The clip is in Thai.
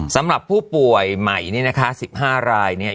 สำหรับผู้ป่วยใหม่นี่นะคะ๑๕รายเนี่ย